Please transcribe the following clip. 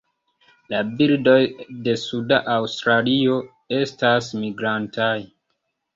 La birdoj de suda Aŭstralio estas migrantaj.